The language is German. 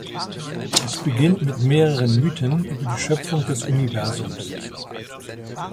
Es beginnt mit mehreren Mythen über die Schöpfung des Universums.